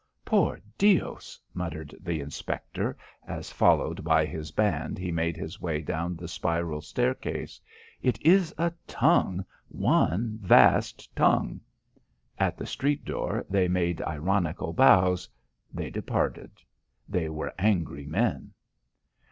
"Por Dios!" muttered the inspector as followed by his band he made his way down the spiral staircase. "It is a tongue! One vast tongue!" At the street door they made ironical bows; they departed; they were angry men.